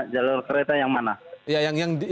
jalur kereta yang mana